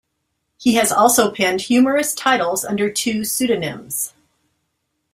He has also penned humorous titles under two pseudonyms.